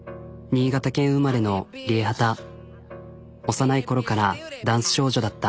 幼い頃からダンス少女だった。